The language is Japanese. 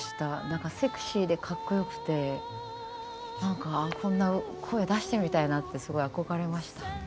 なんかセクシーでかっこよくてこんな声出してみたいなってすごい憧れました。